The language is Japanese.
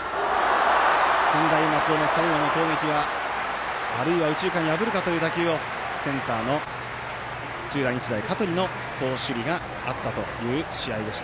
専大松戸の最後の攻撃はあるいは右中間破るかという打球センターの土浦日大、香取の好守備があったという試合でした。